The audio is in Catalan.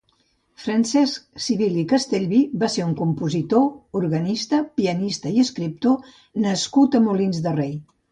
Francesc Civil i Castellví va ser un compositor, organista, pianista i escriptor nascut a Molins de Rei.